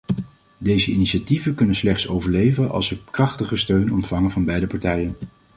Deze initiatieven kunnen slechts overleven als ze krachtige steun ontvangen van beide partijen.